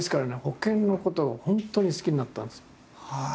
保険のことが本当に好きになったんですよ。